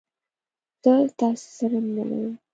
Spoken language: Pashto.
زه تاسې سره مينه ارم!